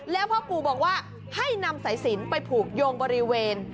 แล้วพ่อปู่บอกว่าให้นำสายสินไปผูกโยงบริเวณ